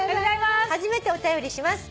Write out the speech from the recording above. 「初めてお便りします」